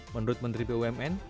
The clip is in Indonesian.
menurut menteri bumn